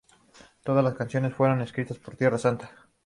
Todas las canciones fueron escritas por Tierra Santa.